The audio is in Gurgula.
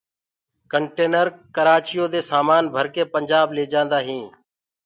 ڪنٽينر ڪرآچيو دي سآمآن ڀرڪي پنٚجآب ليجآنٚدآ هينٚ